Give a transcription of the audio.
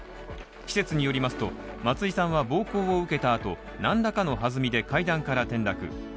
施設によりますと、松井さんは暴行を受けたあと何らかの弾みで、階段から転落。